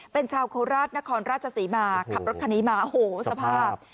เป็นชาวโคราชนครราชศรีมาขับรถคันนี้มาโอ้โหสภาพ